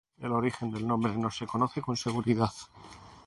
El origen del nombre no se conoce con seguridad.